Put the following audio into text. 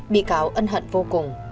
bị cáo ân hận vô cùng